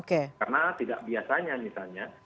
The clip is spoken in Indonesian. karena tidak biasanya misalnya